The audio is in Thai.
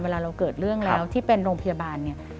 เวลาเราเกิดเรื่องแล้วที่เป็นโรงพยาบาล